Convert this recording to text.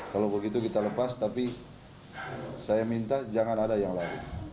kalau begitu kita lepas tapi saya minta jangan ada yang lari